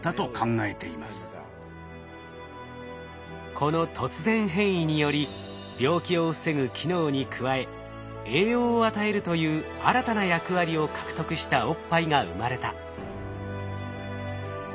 この突然変異により病気を防ぐ機能に加え栄養を与えるという新たな役割を獲得したおっぱいが生まれた。